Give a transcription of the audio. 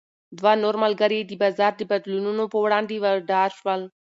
دوه نور ملګري یې د بازار د بدلونونو په وړاندې وډار شول.